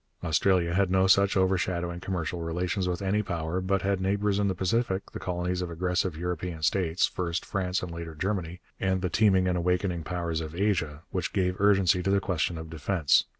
Australia had no such overshadowing commercial relations with any power, but had neighbours in the Pacific the colonies of aggressive European states, first France and later Germany, and the teeming and awakening powers of Asia which gave urgency to the question of defence.